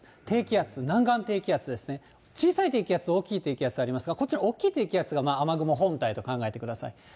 低気圧、南岸低気圧ですね、小さい低気圧、大きい低気圧ありますが、こっちの大きい低気圧が雨雲本体と考えてください。